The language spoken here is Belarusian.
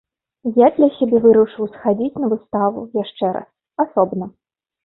Я для сябе вырашыў схадзіць на выставу яшчэ раз, асобна.